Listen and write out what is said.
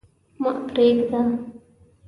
ما پرېږده.